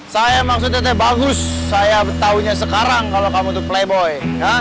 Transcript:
saya maksudnya bagus saya tahunya sekarang kalau kamu untuk playboy